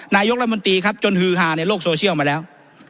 นายกรัฐมนตรีครับจนฮือฮาในโลกโซเชียลมาแล้ว